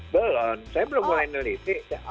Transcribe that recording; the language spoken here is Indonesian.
belum saya belum mulai neliti